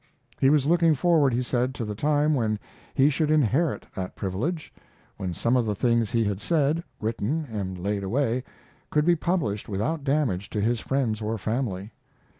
He was looking forward, he said, to the time when he should inherit that privilege, when some of the things he had said, written and laid away, could be published without damage to his friends or family.